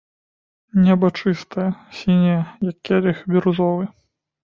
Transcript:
Неба чыстае, сіняе, як келіх бірузовы.